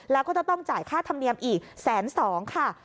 แล้วก็จะต้องจ่ายค่าธรรมเนียมอีก๑๐๒๐๐๐บาทค่ะ